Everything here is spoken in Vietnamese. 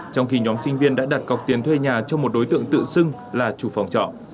trong khi nhóm sinh viên đã đặt cọc tiền thuê nhà cho một đối tượng tự xưng là chủ phòng trọ